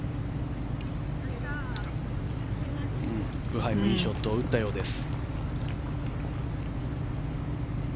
ブハイもいいショットを打ったようです。